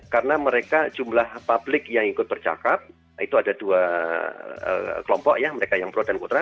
karena mereka jumlah publik yang ikut bercakap itu ada dua kelompok ya mereka yang pro dan pro rakyat